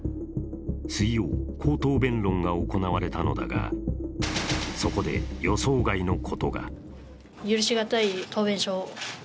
水曜、口頭弁論が行われたのだがそこで予想外のことが。